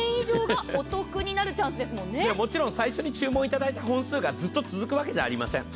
もちろん最初に注文いただいた本数がずっと続くわけではありません。